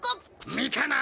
見たな！